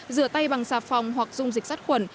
rửa tay bằng xà phòng hoặc dung dịch sát khuẩn